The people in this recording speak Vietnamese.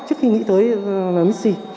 trước khi nghĩ tới mixi